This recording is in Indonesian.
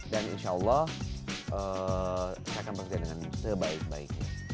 dan insya allah saya akan berjaya dengan sebaik baiknya